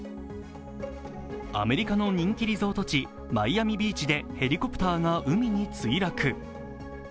アメリカの人気リゾート地・マイアミビーチでヘリコプターが海に墜落。